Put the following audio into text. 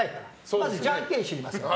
まず、じゃんけんを知りません。